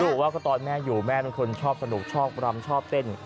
บอกว่าก็ตอนแม่อยู่แม่เป็นคนชอบสนุกชอบรำชอบเต้น